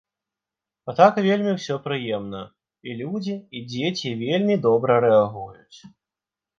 А так вельмі ўсё прыемна, і людзі, і дзеці вельмі добра рэагуюць.